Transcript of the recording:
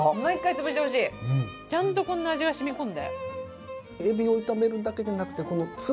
ちゃんとこんなに味が染み込んで。